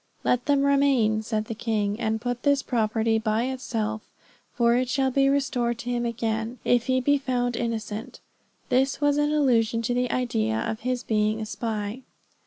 'Let them remain,' said the king, 'and put this property by itself, for it shall be restored to him again, if he be found innocent.' This was in allusion to the idea of his being a spy."